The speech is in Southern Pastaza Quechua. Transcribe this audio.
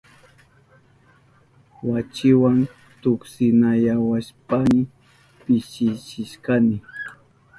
Wachiwa tuksinayahushpayni pishichishkani.